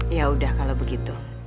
yaudah kalau begitu